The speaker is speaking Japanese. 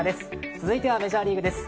続いて、メジャーリーグです。